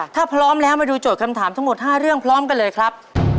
ถ้าพร้อมแล้วมาดูโจทย์คำถามทั้งหมด๕เรื่องพร้อมกันเลยครับ